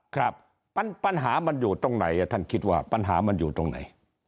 ครับปัญหามันอยู่ตรงไหนท่านคิดว่าปัญหามันอยู่ตรงไหน